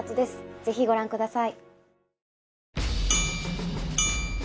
ぜひご覧ください